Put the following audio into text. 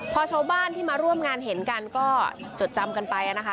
พอชาวบ้านที่มาร่วมงานเห็นกันก็จดจำกันไปนะคะ